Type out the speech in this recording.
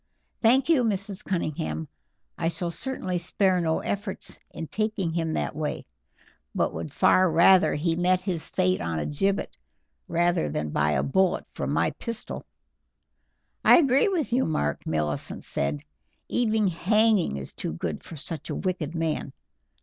"Thank you, Mrs. Cunningham; I shall certainly spare no efforts in taking him that way, and would far rather he met his fate on a gibbet than by a bullet from my pistol." "I agree with you, Mark," Millicent said; "even hanging is too good for such a wicked man.